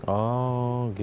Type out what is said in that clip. oh gitu ya